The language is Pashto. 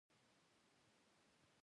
آیا د ځمکې بیه په پارکونو کې مناسبه ده؟